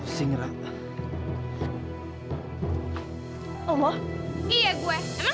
jessy lo nggak usah deh sok manis